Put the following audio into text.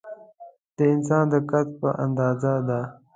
د انسان د قد په اندازه ده.